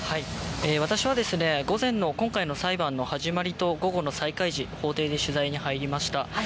私は午前の今回の裁判の始まりと午後の再開時、法廷で取材に入りました。